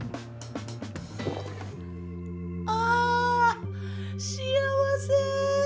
あー、幸せ。